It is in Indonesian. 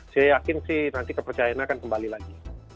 saya yakin sih nanti kepercayaannya akan kembali lagi